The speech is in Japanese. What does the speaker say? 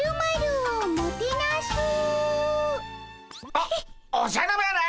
おおじゃる丸！